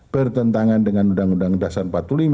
bertentangan dengan undang undang dasar empat puluh lima